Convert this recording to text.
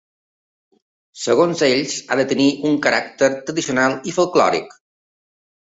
Segons ells, ha de tenir un caràcter ‘tradicional i folkòric’.